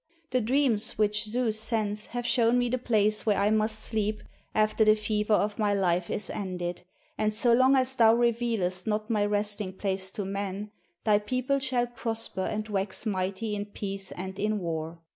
The dreams which Zeus sends have shown me the place where I must sleep after the fever of my Hfe is ended; and so long as thou revealest not my resting place to men, thy people shall prosper and wax mighty in peace and in war."